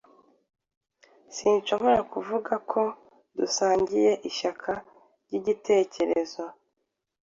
Sinshobora kuvuga ko dusangiye ishyaka ryigitekerezo.